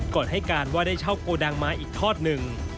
ก่อนให้การว่าได้เช่าโกดังม้าอีกทอดหนึ่ง